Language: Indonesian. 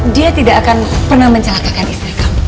dia tidak akan pernah mencelakakan istri kamu